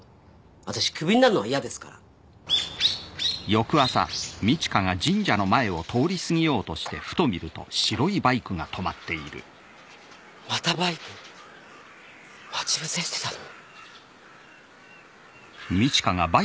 私クビになるのは嫌ですからまたバイク待ち伏せしてたの？